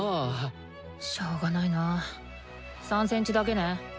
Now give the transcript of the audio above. しょうがないな３センチだけね。